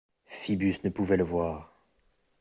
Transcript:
Phœbus ne pouvait le voir.